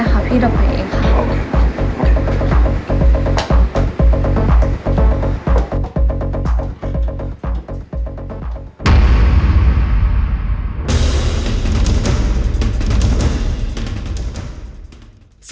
นางเฟิร์น